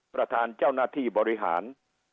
ประธานเจ้าหน้าที่บริหาร